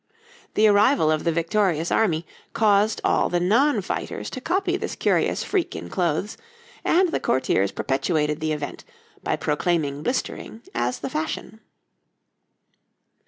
The arrival of the victorious army caused all the non fighters to copy this curious freak in clothes, and the courtiers perpetuated the event by proclaiming blistering as the fashion.